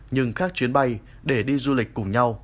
nhưng khác chuyến bay để đi du lịch cùng nhau